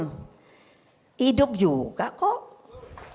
lup sepuluh tahun hidup juga kok remember